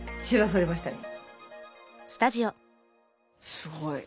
すごい。